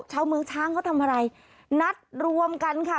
ชาวเมืองช้างเขาทำอะไรนัดรวมกันค่ะ